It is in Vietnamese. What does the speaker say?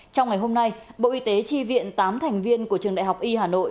trong ngày hôm nay bộ y tế tri viện tám thành viên của trường đại học y hà nội